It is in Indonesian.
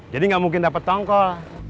jadi nggak mungkin dapet tongkol